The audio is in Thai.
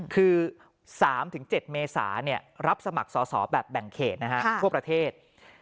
คือ๓๗เมษารับสมัครสอสอแบบแบ่งเขตทั่วประเทศ